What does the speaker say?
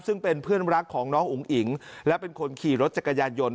ซึ่งเป็นเพื่อนรักของน้องอุ๋งอิ๋งและเป็นคนขี่รถจักรยานยนต